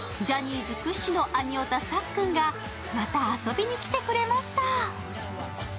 ジャニーズ屈指のアニオタさっくんがまた遊びに来てくれました。